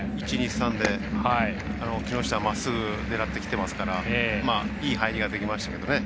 １、２、３で木下がまっすぐ狙ってきてますからいい入りができましたけどね。